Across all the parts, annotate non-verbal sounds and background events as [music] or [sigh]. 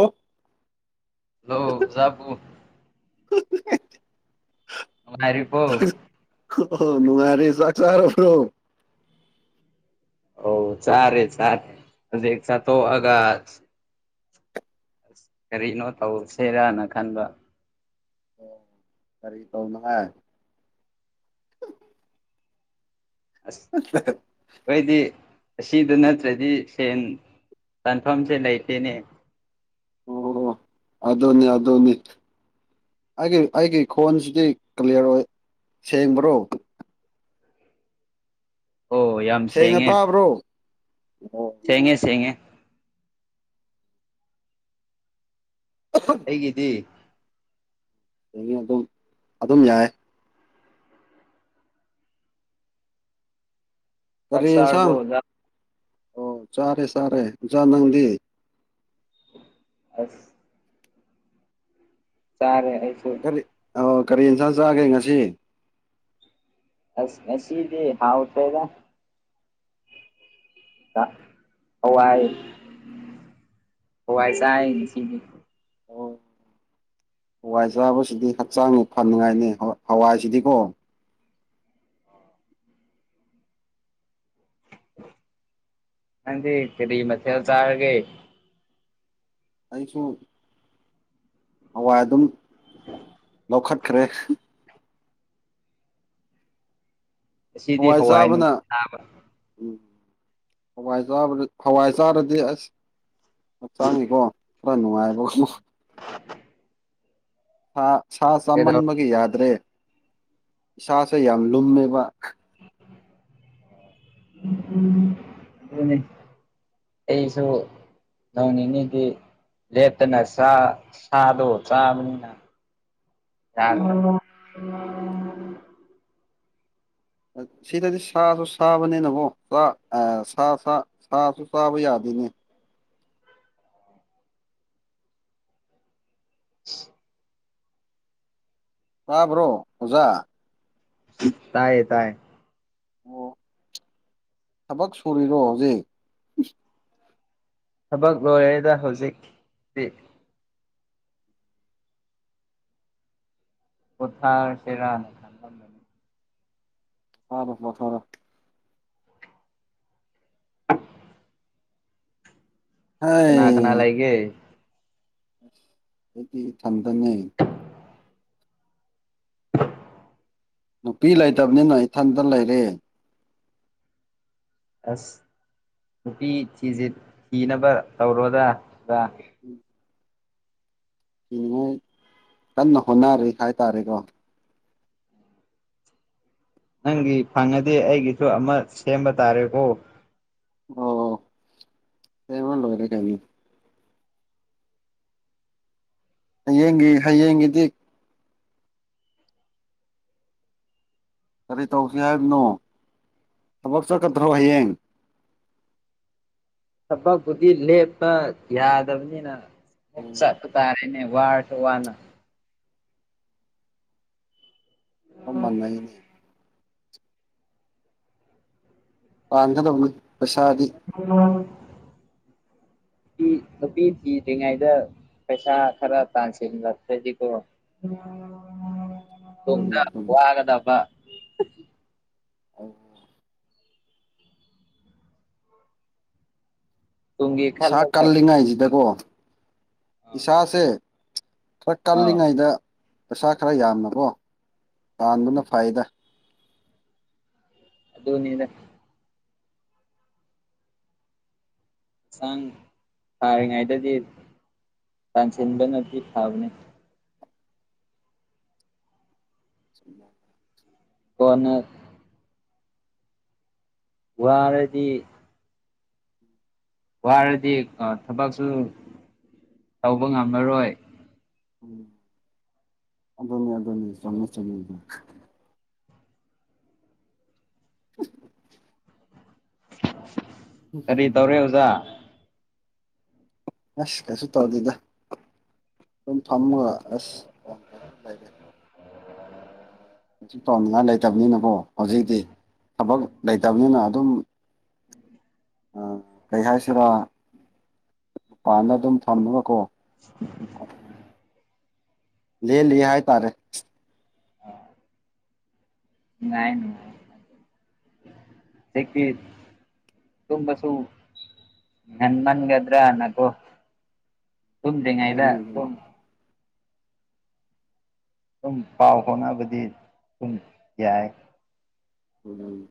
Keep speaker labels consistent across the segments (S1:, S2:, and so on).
S1: ꯑꯣ
S2: ꯍꯜꯂꯣ ꯖꯥꯕꯨ ꯉꯔꯤ ꯄꯣ
S1: ꯑꯣ ꯅꯨꯡꯉꯥꯏꯔꯦ ꯆꯥꯛ ꯆꯥꯔꯕ꯭ꯔꯣ
S2: ꯑꯧ ꯆꯔꯦ ꯆꯔꯦ ꯍꯧꯖꯤ ꯁꯥꯇ ꯑꯒ ꯀꯔꯤꯅꯣ ꯇꯧꯁꯦꯔꯅ ꯈꯟꯕ
S1: ꯀꯔꯤ ꯇꯧꯅ ꯍꯥꯏꯦ
S2: ꯑꯁ ꯑꯩꯏꯗꯤ ꯑꯁꯤꯗ ꯅꯠꯇ꯭ꯔꯗꯤ ꯁꯦꯟ ꯇꯥꯟꯐꯝꯁꯦ ꯂꯩꯇꯦꯅꯦ
S1: ꯑꯣ ꯍ ꯑꯗꯣꯅꯤ ꯑꯙꯣꯅꯤ ꯑꯩꯒꯤ ꯑꯩꯒꯤ ꯈꯣꯟꯁꯤꯗꯤ ꯀꯂꯤꯌꯥꯔ ꯑꯣꯏ ꯁꯦꯡꯕ꯭ꯔꯣ
S2: ꯑꯣ ꯌꯥꯝ
S1: ꯁꯦꯡꯅ
S2: ꯁꯦꯡꯉꯦ
S1: ꯇꯥꯕ꯭ꯔꯣ ꯑꯣ
S2: ꯁꯦꯡꯉꯦ ꯁꯦꯡꯉꯦ ꯍꯦꯒꯗꯤ
S1: ꯑ ꯑꯗꯨꯝ ꯑꯗꯨꯝ ꯌꯥꯏ ꯀꯔꯤ ꯌꯦꯟꯁꯥꯡ
S2: ꯇꯥꯛꯁꯔꯕꯣꯖ
S1: ꯑꯣ ꯆꯥꯔꯦ ꯆꯥꯔꯦꯖꯥ ꯅꯪꯗꯤ
S2: ꯑ ꯆꯔꯦ
S1: ꯀꯔꯤ ꯑ ꯀꯔꯤ ꯏꯟꯁꯥꯡ ꯆꯥꯒꯦ ꯉꯁꯤ
S2: ꯑꯁ ꯉꯁꯤꯗꯤ ꯍꯥꯥꯎ ꯎꯄꯦꯒ ꯍꯋꯥꯏ ꯍꯋꯥꯏ
S1: ꯑꯣ,
S2: ꯆꯥꯏ
S1: ꯑꯣ, ꯍꯋꯥꯏ ꯆꯥꯕꯁꯤꯗꯤ ꯍꯛꯆꯥꯡꯅꯤ ꯐꯅꯤꯡꯉꯥꯏꯅꯤ ꯍꯋꯥꯏꯁꯤꯗꯤꯀꯣ
S2: ꯀꯗꯤ ꯀꯔꯤ ꯃꯊꯦꯜ ꯆꯥꯔꯒ
S1: ꯑꯩꯁꯨ ꯍꯋꯥꯏ ꯑꯗꯨꯝ
S2: [unintelligible]
S1: ꯂꯧꯈꯠꯈ꯭ꯔꯦ
S2: ꯉꯁꯤꯗꯤ
S1: ꯍꯋꯥꯏ
S2: ꯅꯨꯡ
S1: ꯆꯥꯕꯅ
S2: ꯆꯥꯕ
S1: ꯎꯝ ꯍꯋꯥꯏ ꯆꯥ ꯍꯋꯥꯏ ꯆꯥꯔꯗꯤ ꯑꯁ ꯍꯛꯆꯥꯡꯅꯤꯀꯣ ꯈꯔ ꯅꯨꯡꯉꯥꯏꯕꯨꯝ
S2: [unintelligible]
S1: ꯁꯥ
S2: ꯀꯩꯗꯧ
S1: ꯆꯥꯃꯟꯕꯒꯤ ꯌꯥꯗ꯭ꯔꯦ ꯏꯁꯥꯁꯦ ꯌꯥꯝ ꯂꯨꯝꯃꯦꯕ
S2: ꯑꯩꯁꯨ ꯅꯤꯅꯤꯗꯤ ꯂꯦꯇꯅ ꯁꯥ ꯁꯥꯗꯣ ꯆꯥꯅꯤꯅ ꯌꯥ
S1: ꯁꯤꯗꯗꯤ ꯁꯥꯁꯨ ꯁꯥꯕꯅꯤꯅꯕꯣ ꯁꯥꯁꯨ ꯆꯥꯕ ꯌꯥꯗꯦ ꯑꯗꯨ
S2: [unintelligible]
S1: ꯇꯥꯕ꯭ꯔꯣ ꯑꯣꯖꯥ
S2: ꯇꯌꯦ ꯇꯥꯏ
S1: ꯑꯣ ꯊꯕꯛ ꯁꯨꯔꯤꯔꯣ ꯍꯧꯖꯤꯛ
S2: ꯊꯕꯛ ꯂꯣꯏꯔꯦꯗ ꯍꯧꯖꯤꯛꯇꯤ ꯀꯣꯊꯥ ꯁꯦꯔꯥꯅꯤ ꯊꯅꯤ
S1: ꯍ ꯃꯊꯔ
S2: ꯀꯅꯥ ꯀꯅꯥ ꯂꯏꯒꯦ
S1: ꯗꯤ ꯊꯟꯗꯅꯦ ꯅꯨꯄꯤ ꯂꯩꯇꯕꯅꯤꯅ ꯏꯊꯟꯇ ꯂꯩꯔꯦ
S2: ꯑꯁ ꯅꯨꯄꯤ ꯊꯤꯁꯦ ꯊꯤꯅꯕ ꯇꯧꯔꯣꯗ ꯑ
S1: ꯀꯅꯤꯡꯉꯥꯏ ꯀꯟꯅ ꯍꯣꯠꯅꯔꯤ ꯍꯥꯏꯇꯥꯔꯦꯀꯣ
S2: ꯅꯪꯒꯤ ꯐꯪꯉꯗꯤꯦ ꯑꯩꯒꯤꯁꯨ ꯑꯃ ꯁꯦꯝꯕ ꯇꯥꯔꯦꯀꯣ
S1: ꯑꯣ ꯍ ꯂꯣꯏꯔꯦꯒꯦꯅꯤ ꯍꯌꯦꯡꯒ ꯍꯌꯦꯡꯒꯤꯦꯗꯤꯤ ꯀꯔꯤ ꯇꯧꯁꯤ ꯍꯥꯏꯕꯅꯣ ꯊꯕꯛ ꯆꯠꯀꯗ꯭ꯔꯣ ꯍꯌꯦꯡ
S2: ꯊꯕꯛꯄꯨꯗꯤ ꯂꯦꯞꯄ ꯌꯥꯗꯕꯅꯤꯅ ꯑꯃꯨꯛ ꯆꯠꯄ ꯇꯥꯔꯦꯅꯦ ꯋꯥ ꯋꯥꯅ
S1: ꯑꯣ ꯃꯥꯟꯅꯅꯦ ꯑꯗ ꯄꯁꯥꯗꯤ
S2: [unintelligible] [inaudible] ꯅꯨꯄꯤ ꯅꯨꯄꯤ ꯊꯤ꯭ꯔꯤꯉꯩꯗ ꯄꯩꯁꯥ ꯈꯔ ꯇꯥꯟꯁꯤꯜꯕꯗꯤꯀꯣ ꯇꯗ ꯋꯥꯒꯗꯕ
S1: ꯑꯣ
S2: ꯇꯨꯡꯒꯤ
S1: ꯏꯁꯥ
S2: ꯈꯜꯂꯒ
S1: ꯀꯜꯂꯤꯉꯥꯏꯁꯤꯗꯀꯣ ꯏꯁꯥꯁꯦ ꯈꯔ
S2: ꯑꯥ
S1: ꯀꯜꯂꯤꯉꯩꯗ ꯄꯩꯁꯥ ꯈꯔ ꯌꯥꯝꯅꯕꯣ ꯇꯥꯟꯕꯅ ꯐꯩꯗ
S2: ꯑꯗꯨꯗꯅꯤꯅꯦ ꯁ ꯐꯔ ꯉꯥꯏ ꯇꯗꯤ ꯀꯁꯤꯟꯗ ꯊꯥꯕꯅꯤ
S1: ꯎ [unintelligible] [inaudible]
S2: ꯍꯅ ꯋꯥꯔꯗꯤ ꯋꯥꯔꯗꯤ ꯊꯕꯛꯁꯨ ꯇꯧꯕ ꯉꯝꯃꯔꯣꯏ
S1: ꯎꯝ ꯑꯗꯨꯗꯣꯅꯤ ꯑꯗꯨꯗꯣꯅꯤ ꯁꯃꯦ ꯆꯗ ꯎꯝ
S2: ꯀꯔꯤ ꯇꯧꯔꯦ ꯑꯣꯖꯥ
S1: ꯑꯁ ꯀꯁꯨ ꯇꯧꯗꯗ ꯑꯗꯨꯝ ꯊꯝꯃꯒ ꯑꯁꯦ ꯇꯧꯅꯤꯡꯉꯥꯏ ꯂꯩꯇꯕꯅꯤꯅꯀꯣ ꯍꯧꯖꯤꯛꯇꯤ ꯊꯕꯛ ꯂꯩꯇꯕꯅꯤꯅ ꯑꯗꯨꯝ ꯀꯩ ꯍꯥꯏꯁꯤꯔꯥ ꯃꯄꯥꯟꯗ ꯑꯗꯨꯝ ꯊꯝꯃꯒꯀꯣ ꯂꯩ ꯂꯩ ꯍꯥꯏ ꯇꯔꯦ
S2: ꯑ [unintelligible] [inaudible] ꯉꯅꯨꯡ ꯇꯨꯝꯕꯁꯨ ꯉꯟꯃꯟꯒꯗ꯭ꯔꯥꯅꯀꯣ ꯇꯣꯡꯝꯇꯉ ꯏ ꯇ
S1: ꯑꯗꯨꯅꯤ ꯑꯗꯨꯅꯤ
S2: ꯄꯥꯎ ꯐꯣꯅꯕꯗꯤ ꯊ ꯌꯥꯌꯥꯏ
S1: ꯎꯝ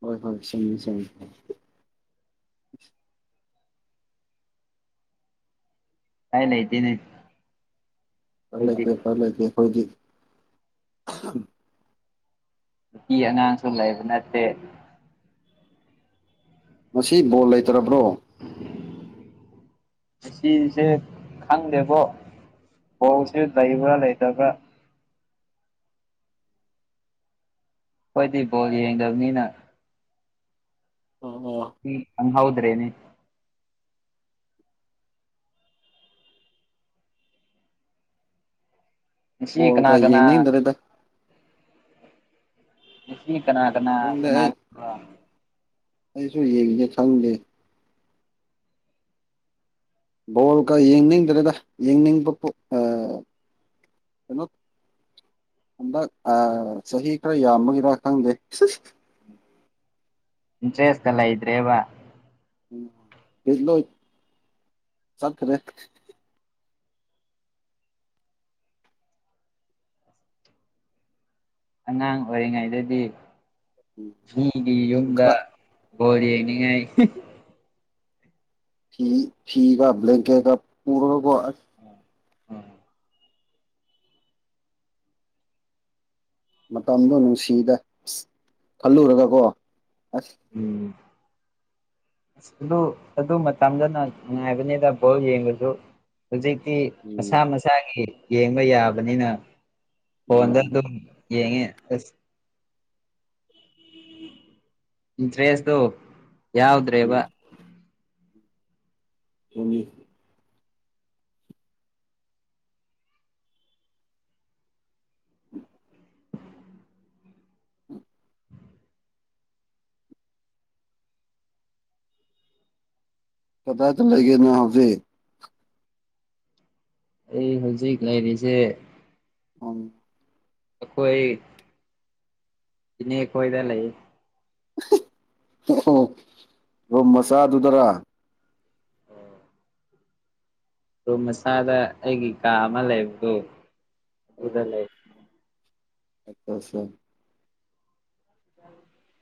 S1: ꯍꯣꯏ ꯍꯣꯏ ꯁ ꯁ
S2: ꯀꯥꯏ ꯂꯩꯥꯏꯇꯅꯦ
S1: ꯐꯂ ꯐꯂꯦꯦꯈꯣꯖꯤ
S2: ꯅꯨꯄꯤ ꯑꯉꯥꯡꯁꯨ ꯂꯩꯕ ꯅꯠꯇꯦ
S1: ꯃꯁꯤ ꯕꯣꯜ ꯂꯩꯇ꯭ꯔꯔꯕ꯭ꯔꯣ
S2: ꯁꯤꯁꯦ ꯈꯪꯗꯦꯕꯣ ꯍꯁꯤ ꯂꯩꯏꯕ꯭ꯔ ꯂꯩꯇꯕ꯭ꯔ ꯀꯣꯏꯗꯤ ꯐꯣꯜꯂꯤ ꯌꯦꯗꯅꯤꯅ
S1: ꯑꯣ ꯑꯣ
S2: ꯎ ꯑ ꯍꯥꯎꯗ꯭ꯔꯦꯅꯦ ꯉꯁꯤ
S1: ꯋꯥꯣ
S2: ꯀꯅꯥ
S1: ꯀ ꯌꯦ
S2: ꯀꯅꯥ
S1: ꯅꯗꯔꯦꯗ
S2: ꯉ ꯀꯅꯥ ꯀꯅꯥ
S1: ꯈꯪꯗꯦ ꯑꯩ
S2: ꯁꯅꯥꯒꯕ
S1: ꯑꯩꯁꯨ ꯌꯦꯡꯁꯦ ꯈꯪꯗꯦ ꯕꯣꯜꯒ ꯌꯦꯡꯅꯤꯡꯗ꯭ꯔꯦꯗ ꯌꯦꯡꯅꯤꯡꯕ ꯀꯩꯅꯣ ꯍꯟꯗꯛ ꯆꯍꯤ ꯈꯔ ꯌꯥꯝꯕꯒꯤꯔ ꯈꯪꯗꯦ
S2: [unintelligible] [inaudible] ꯏꯟꯦꯁꯂ꯭ꯔꯦ ꯋꯥ
S1: ꯎꯝ ꯍꯖꯂꯣ ꯆꯠꯔꯦꯠ
S2: ꯑꯉꯥꯡ ꯑꯣꯏꯔꯤꯉꯩꯗꯗꯤ
S1: ꯎꯝ
S2: ꯃꯤꯒꯤ
S1: ꯅꯪ
S2: ꯌꯨꯝꯗ
S1: ꯈꯔ
S2: ꯣꯜꯂꯤꯅꯤꯉ
S1: ꯊ ꯭ꯂꯦꯟꯀꯦ ꯄꯔ ꯃꯇꯝꯗꯣ ꯅꯨꯡꯁꯤꯗ ꯑ ꯈꯜꯂꯨꯔꯒ ꯀꯣ ꯑꯁ
S2: ꯎꯝ ꯑ ꯑꯗꯨ ꯑꯗꯨ ꯃꯇꯝꯗꯅ ꯉꯥꯏꯕꯅꯦꯗ ꯥꯎ ꯌꯦꯡꯉꯁꯨ ꯍꯧꯖꯤꯛꯇꯤ
S1: ꯎꯝ
S2: ꯃꯁꯥ ꯃꯁꯥꯒꯤ ꯌꯦꯡꯕ ꯌꯥꯕꯅꯤꯅ ꯐꯣꯟꯗ
S1: ꯎꯝ
S2: ꯑꯗꯨꯝ ꯌꯦꯉꯦ ꯑꯁ ꯇ꯭ꯔꯦꯁ ꯇ ꯌꯥ
S1: ꯎꯝ ꯆꯨꯡꯅꯤ ꯎꯝ ꯄꯇꯥ ꯆꯂꯒꯦ ꯅ ꯍꯥꯖꯤꯦ
S2: ꯑꯩ ꯍꯧꯖꯤꯛ ꯂꯩꯔꯤꯁꯦ
S1: ꯎꯝ
S2: ꯑꯩꯈꯣꯏ ꯏꯅꯦ ꯑꯩꯈꯣꯏꯣꯏꯗ ꯂꯩ
S1: ꯑꯣ ꯑꯣ ꯃꯁꯥ ꯑꯗꯨꯗꯔ
S2: ꯑꯗꯨ ꯃꯁꯥꯗ ꯑꯩꯒꯤ ꯀꯥ ꯑꯃ ꯂꯩꯕꯗꯣ ꯑꯗꯨꯗ
S1: ꯑꯣ
S2: ꯂꯩ
S1: ꯑꯆꯥ ꯑꯆꯥ
S2: ꯑ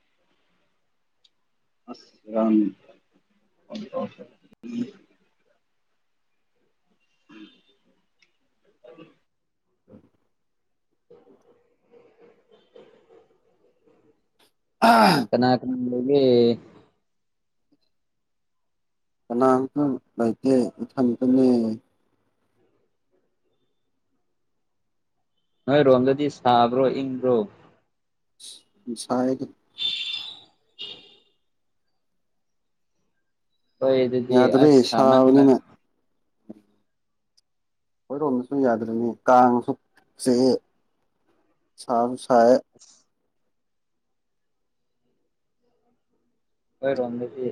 S1: ꯑꯝ ꯎꯝ ꯑꯥ
S2: ꯅꯦ
S1: ꯀꯅꯥꯝꯇ ꯂꯩꯇꯦ ꯏꯊꯟꯇꯅꯤ
S2: ꯅꯣꯏ ꯔꯣꯝꯗꯗꯤ ꯁꯥꯕ꯭ꯔꯣ ꯏꯪꯕ꯭ꯔꯣ
S1: ꯁꯥ
S2: [unintelligible] ꯍꯣꯏꯦ ꯑꯗꯨꯗꯤ
S1: ꯌꯥꯗ꯭ꯔꯦ
S2: ꯑ ꯃ ꯃ
S1: ꯁꯥꯕꯅꯤꯅ ꯍꯣꯏꯔꯣꯝꯗꯁꯨ ꯌꯥꯗ꯭ꯔꯅꯤ ꯀꯥꯡꯉꯁꯨ ꯆꯦ ꯁꯥ ꯍ
S2: ꯍꯣꯏ ꯔꯝꯅꯤꯗꯤ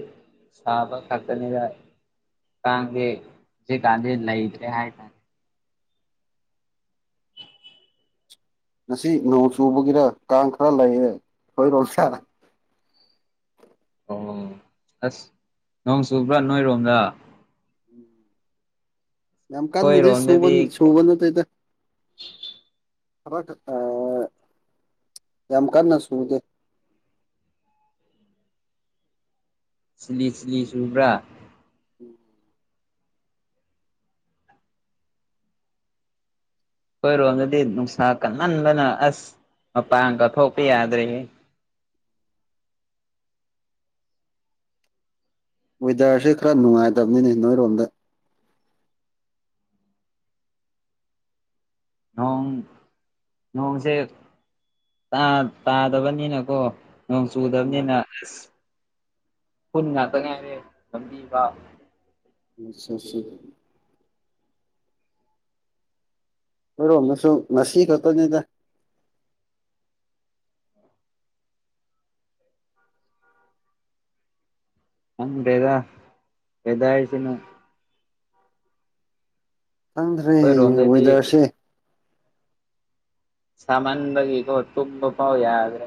S2: ꯁꯥꯕ ꯈꯥꯗꯅꯤ ꯌꯥꯥꯏ ꯀ ꯀꯥꯗ ꯂꯥꯏ ꯀꯦ ꯍꯥꯏ ꯇ
S1: ꯉꯁꯤ ꯅꯣꯡ ꯆꯨꯕꯒꯤꯔ ꯀꯥꯡ ꯈꯔ ꯂꯩꯌꯦꯦ ꯍꯣꯏꯔꯣꯝ ꯁꯥ
S2: ꯑꯣ ꯑꯁ ꯅꯣꯡ ꯆꯨꯕ꯭ꯔꯥ ꯅꯣꯏꯔꯣꯝꯗ
S1: ꯌꯥꯝ ꯀꯥꯟ ꯅꯗꯤ ꯁꯨꯕ
S2: ꯑꯩꯈꯣꯏꯔꯣꯝꯗꯗꯤ
S1: ꯁꯨꯕꯅ ꯇ ꯔ ꯌꯥꯝ ꯀꯟꯅ ꯁꯨꯗꯦ
S2: ꯁꯤꯂꯤ ꯁꯤ꯭ꯂꯤ ꯁꯨꯕ꯭ꯔꯥ
S1: ꯎꯝ
S2: ꯑꯩꯈꯣꯏꯔꯣꯝꯗꯗꯤ ꯅꯨꯡꯁꯥ ꯀꯟꯍꯟꯕꯅ ꯑꯁ ꯃꯄꯥꯡꯒꯠꯊꯣꯛꯄ ꯌꯥꯗ꯭ꯔꯦ
S1: ꯋꯦꯗꯔꯁꯦ ꯈꯔ ꯅꯨꯡꯉꯥꯏꯇꯕꯅꯤꯅꯦ ꯅꯣꯏꯔꯣꯝꯗ
S2: ꯅꯣꯡ ꯅꯣꯡꯁꯦ ꯇꯥꯗꯕꯅꯤꯅꯀꯣ ꯅꯣꯡ
S1: ꯎꯝ
S2: ꯆꯨꯗꯕꯅꯤꯅ ꯑꯁ ꯄꯨꯟ ꯉꯥꯛꯇꯅꯦ ꯍꯥꯏꯔꯦ ꯂꯝꯝꯕꯤꯕ
S1: ꯑꯆꯥ ꯑ ꯀꯔꯣ ꯅꯁꯨ ꯅꯁꯤꯈꯠꯇ ꯅꯗ
S2: ꯑꯪ ꯄꯦꯗꯥ ꯄꯦꯗꯥ ꯍꯥꯏꯁꯤꯅ
S1: ꯆꯪꯗ꯭ꯔꯦ
S2: ꯑꯩꯈꯣꯏꯔꯣꯝꯗꯗꯤ
S1: ꯋꯦꯗꯔꯁꯦ
S2: ꯁꯃꯥꯟ ꯒ ꯏꯒꯣ ꯇꯨꯝꯕ ꯄꯥꯎ ꯌꯥꯗ꯭ꯔꯦ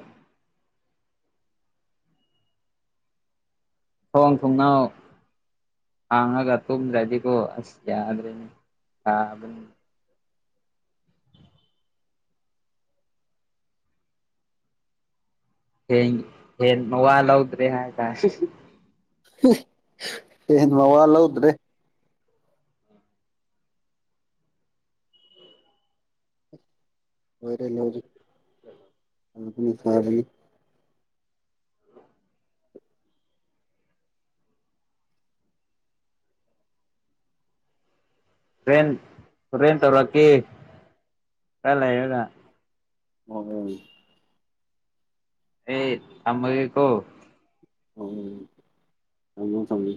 S2: ꯊꯋꯥꯡ ꯊꯣꯡꯅꯥꯎ ꯑ ꯇꯨꯝꯗ꯭ꯔꯦꯖꯤꯀꯣꯁ ꯌꯥꯗ꯭ꯔꯦꯅꯦ ꯍꯦꯡ ꯍ ꯅꯣ ꯋꯥꯜꯧꯗ꯭ꯔꯔꯤ ꯍꯥꯏ
S1: ꯑꯦꯟ ꯃꯥꯋꯥꯂꯎꯗ꯭ꯔꯦ ꯑꯣꯏꯣꯏꯔ ꯍꯧꯖꯤ
S2: ꯎꯝ
S1: ꯑꯗꯨꯅꯤ ꯐꯕꯤ
S2: ꯇꯦꯟ ꯇꯦꯟ ꯇꯧꯔꯛꯈꯤ ꯀ ꯂꯩꯒ
S1: ꯃ
S2: ꯑꯦ ꯇꯃꯒ ꯀꯣ
S1: ꯑꯣ ꯊꯝꯃꯣ ꯊꯝꯕꯤ